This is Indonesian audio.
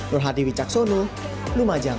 nurhadi wicaksonul lumajang